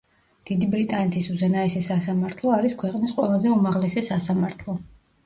დიდი ბრიტანეთის უზენაესი სასამართლო არის ქვეყნის ყველაზე უმაღლესი სასამართლო.